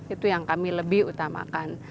itu yang kami lebih utamakan